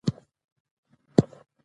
پښتون قوم باید خپله ژبه ته خدمت وکړی